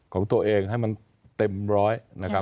ของตัวเองให้มันเต็มร้อย